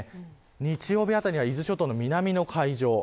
日曜日あたりに伊豆諸島の南の海上。